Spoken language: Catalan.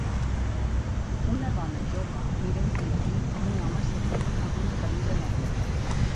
Una dona jove mira un diari amb un home assegut amb una camisa marró